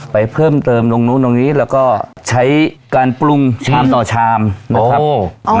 ไปเพิ่มเติมตรงนู้นตรงนี้แล้วก็ใช้การปรุงชามต่อชามนะครับโอ้